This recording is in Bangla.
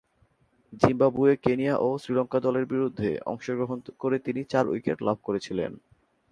জিম্বাবুয়ে, কেনিয়া ও শ্রীলঙ্কা দলের বিরুদ্ধে অংশগ্রহণ করে তিনি চার উইকেট লাভ করেছিলেন।